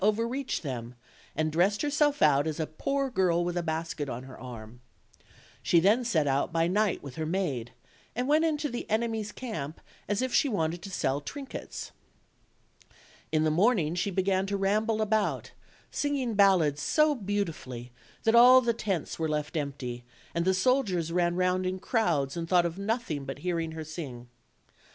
61 overreach them, and dressed herself out as a poor girl with a basket on her arm; she then set out by night with her maid, and went into the enemy's camp as if she wanted to sell trinkets. In the morning she began to ramble about, singing ballads so beautifully that all the tents were left empty, and the soldiers ran round in crowds and thought of nothing but hearing her sing.